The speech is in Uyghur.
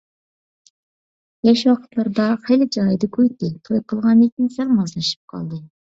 ياش ۋاقىتلىرىدا خېلى جايىدا گۇيتى، توي قىلغاندىن كېيىن سەل مازلىشىپ قالدى.